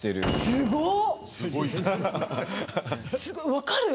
すごい。